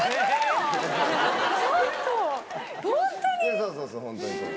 そうそうそうホントに。